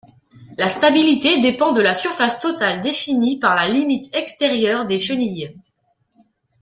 La stabilité dépend de la surface totale définie par la limite extérieure des chenilles.